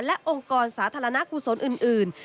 และองค์กรสาธารณกุศลอื่น